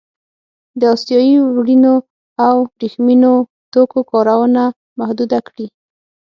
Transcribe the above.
د اسیايي وړینو او ورېښمينو توکو کارونه محدوده کړي.